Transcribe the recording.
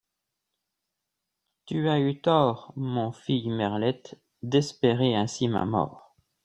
Tu as eu tort, mon fille Merlette, d'espérer ainsi ma mort.